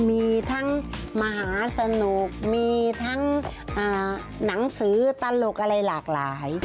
มีทั้งมหาสนุกมีทั้งหนังสือตลกอะไรหลากหลาย